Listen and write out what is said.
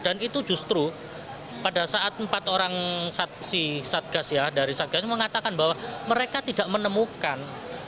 dan itu justru pada saat empat orang si satgas ya dari satgas mengatakan bahwa mereka tidak menemukan